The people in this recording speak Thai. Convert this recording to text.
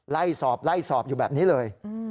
ไล่สอบไล่สอบอยู่แบบนี้เลย